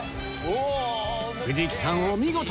藤木さんお見事！